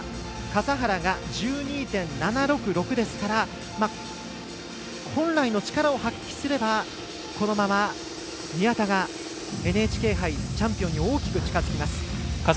笠原が１２．７６６ですから本来の力を発揮すればこのまま宮田がＮＨＫ杯チャンピオンに大きく近づきます。